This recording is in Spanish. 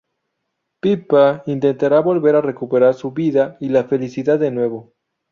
Pippa intentará volver a recuperar su vida y la felicidad de nuevo.